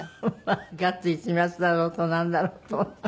ガッツ石松だろうとなんだろうと。